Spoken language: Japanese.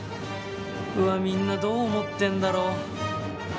うわみんなどう思ってんだろう？